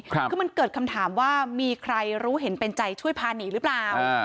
คือมันเกิดคำถามว่ามีใครรู้เห็นเป็นใจช่วยพาหนีหรือเปล่า